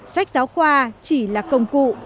sách giáo khoa chỉ là công cụ